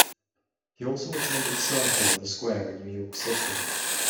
He also attended Circle in the Square in New York City.